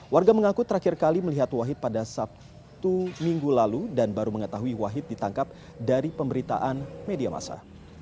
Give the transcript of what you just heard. warga mengaku terakhir kali melihat wahid pada sabtu minggu lalu dan baru mengetahui wahid ditangkap dari pemberitaan media masa